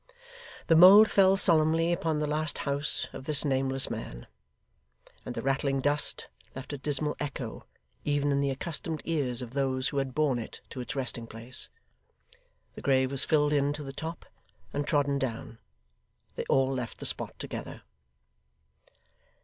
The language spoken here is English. The mould fell solemnly upon the last house of this nameless man; and the rattling dust left a dismal echo even in the accustomed ears of those who had borne it to its resting place. The grave was filled in to the top, and trodden down. They all left the spot together.